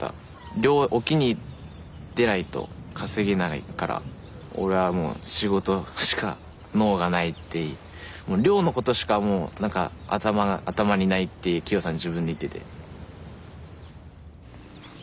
漁は沖に出ないと稼げないから俺はもう仕事のことしか能がないってもう漁のことしかもう頭にないってキヨさん自分で言ってて。